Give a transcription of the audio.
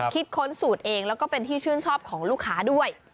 ค้นสูตรเองแล้วก็เป็นที่ชื่นชอบของลูกค้าด้วย